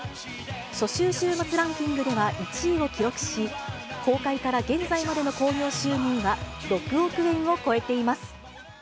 初週週末ランキングでは１位を記録し、公開から現在までの興行収入は６億円を超えています。